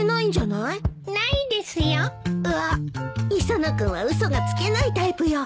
磯野君は嘘がつけないタイプよ。